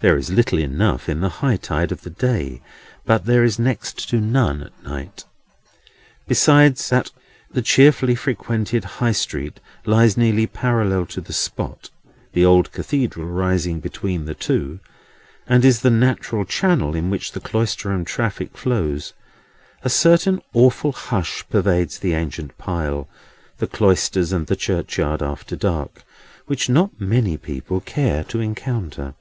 There is little enough in the high tide of the day, but there is next to none at night. Besides that the cheerfully frequented High Street lies nearly parallel to the spot (the old Cathedral rising between the two), and is the natural channel in which the Cloisterham traffic flows, a certain awful hush pervades the ancient pile, the cloisters, and the churchyard, after dark, which not many people care to encounter.